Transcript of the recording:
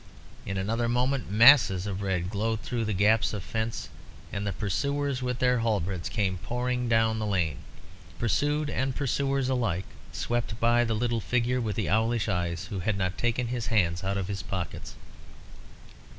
In another moment masses of red glowed through the gaps of the fence, and the pursuers, with their halberds, came pouring down the lane. Pursued and pursuers alike swept by the little figure with the owlish eyes, who had not taken his hands out of his pockets.